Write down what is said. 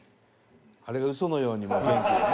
あれがウソのようにもう元気でね。